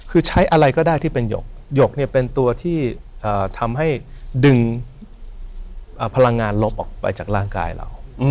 คือใช้อะไรก็ได้ที่เป็นหยกเนี่ยเป็นตัวที่ทำให้ดึงพลังงานลบออกไปจากร่างกายเรา